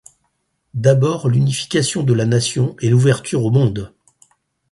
D’abord l’unification de la nation et l’ouverture au monde.